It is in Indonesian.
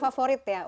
punya favorit ya